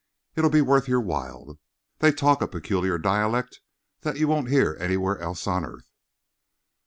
It'll be worth your while. They talk a peculiar dialect that you won't hear anywhere else on earth."